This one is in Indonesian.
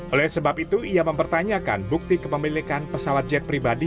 oleh sebab itu ia mempertanyakan bukti kepemilikan pesawat jet pribadi